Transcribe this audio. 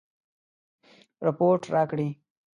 رپوټ راکړي.